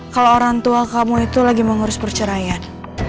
kalau orang tua kamu itu lagi mengurus perceraian